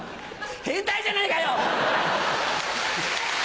変態じゃないかよ！